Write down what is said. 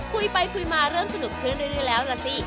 คุยไปคุยมาเริ่มสนุกขึ้นเรื่อยแล้วล่ะสิ